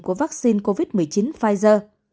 của vaccine covid một mươi chín pfizer